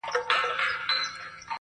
خو اختلاف لا هم شته ډېر,